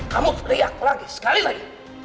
kamu teriak lagi sekali lagi